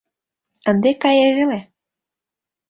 Ынде кае веле...